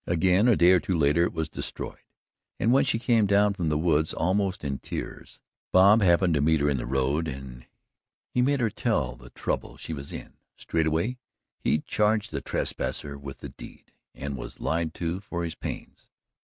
Again a day or two later it was destroyed, and when she came down from the woods almost in tears, Bob happened to meet her in the road and made her tell the trouble she was in. Straightway he charged the trespasser with the deed and was lied to for his pains.